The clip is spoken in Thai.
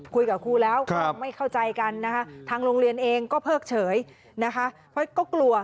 คุยกับครูแล้วไม่เข้าใจกันนะคะทางโรงเรียนเองก็เพิกเฉยนะคะเพราะก็กลัว